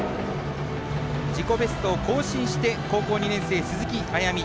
自己ベストを更新して高校２年生、鈴木彩心。